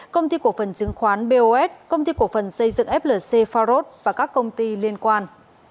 công ty cổ phần chứng khoán bos công ty cổ phần xây dựng flc ford và các công ty liên quan